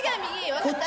分かった？